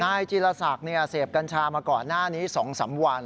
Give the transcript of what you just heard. นายเจียรษักเนี่ยเสพกัญชามาก่อนหน้านี้๒๓วัน